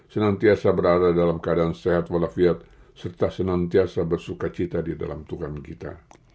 senantiasa berada dalam keadaan sehat walafiat serta senantiasa bersuka cita di dalam tuhan kita